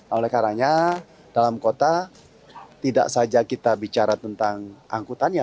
oleh karanya dalam kota tidak saja kita bicara tentang angkutannya